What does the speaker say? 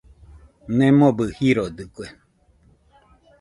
Nemobɨ jiroitɨkue.